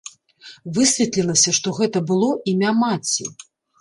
Высветлілася, што гэта было імя маці.